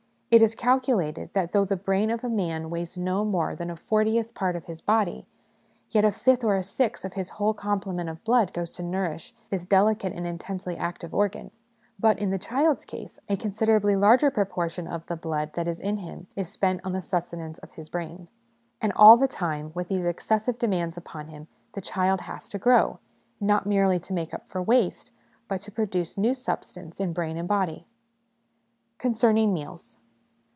It is calculated that though the brain of a man weighs no more than a fortieth part of his body, yet a fifth or a sixth of his whole complement of blood goes to nourish this delicate and intensely active organ ; but, in the child's case, a considerably laiger proportion of the blood that is in him is spent on the sustenance of his brain. And all the time, with these excessive demands upon him, the child has to grow ! not merely to make up for waste, but to produce new substance in brain and body. Concerning Meals.